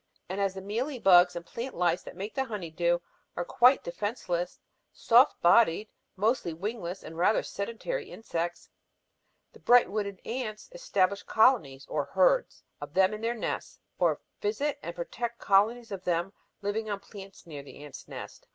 And as the mealy bugs and plant lice that make the honey dew are quite defenceless, soft bodied, mostly wingless and rather sedentary insects, the bright witted ants establish colonies, or "herds," of them in their nests, or visit and protect colonies of them living on plants near the ant nest.